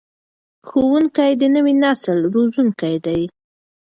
ښوونکي د نوي نسل روزونکي دي.